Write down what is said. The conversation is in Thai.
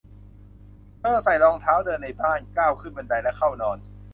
เธอใส่รองเท้าเดินในบ้าน ก้าวขึ้นบันได และเข้านอน